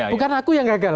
bukan aku yang gagal